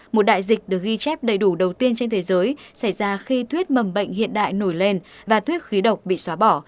một đại dịch được ghi chép đầy đủ đầu tiên trên thế giới xảy ra khi thuyết mầm bệnh hiện đại nổi lên và thuyết khí độc bị xóa bỏ